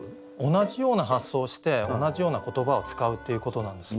同じような発想をして同じような言葉を使うっていうことなんですね。